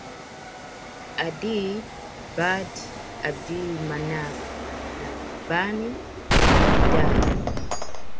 Adiyy Bani Abdil Manaaf na Bani Abdid Daar